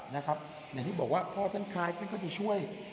อย่างที่บอกว่าพ่อท่านคล้ายท่านก็จะช่วย